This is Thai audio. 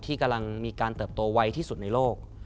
ที่กำลังมีการเติบโตไวที่สุดในโลก